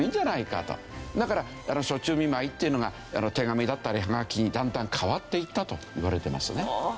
だから暑中見舞いっていうのが手紙だったりハガキにだんだん変わっていったといわれてますね。